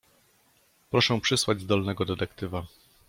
Proszę przysłać zdolnego detektywa.